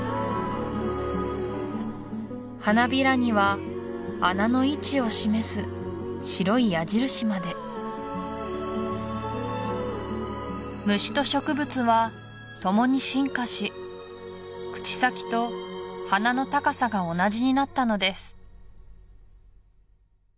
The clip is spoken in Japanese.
花びらには穴の位置を示す白い矢印まで虫と植物は共に進化し口先と花の高さが同じになったのです